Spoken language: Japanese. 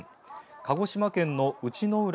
鹿児島県の内之浦